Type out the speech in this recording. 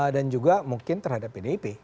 dan juga mungkin terhadap pdip